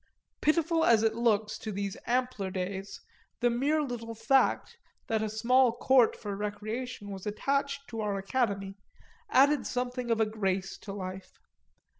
Pitiful as it looks to these ampler days the mere little fact that a small court for recreation was attached to our academy added something of a grace to life.